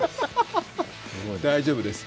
大丈夫です。